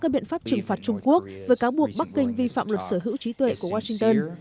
các biện pháp trừng phạt trung quốc với cáo buộc bắc kinh vi phạm luật sở hữu trí tuệ của washington